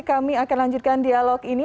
kami akan lanjut kan dialog ini